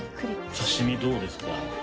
刺し身どうですか？